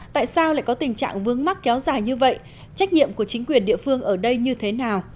tại sao lại có tình trạng vướng mắc kéo dài như vậy trách nhiệm của chính quyền địa phương ở đây như thế nào